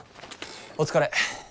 お疲れ。